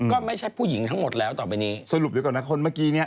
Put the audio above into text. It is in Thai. ก็ไม่ใช่ผู้หญิงทั้งหมดแล้วต่อไปนี้